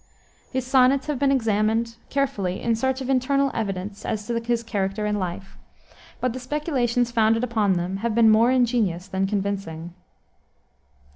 His sonnets have been examined carefully in search of internal evidence as to his character and life, but the speculations founded upon them have been more ingenious than convincing.